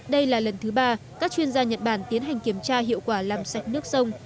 đây là lần thứ ba các chuyên gia nhật bản tiến hành kiểm tra hiệu quả làm sạch nước sông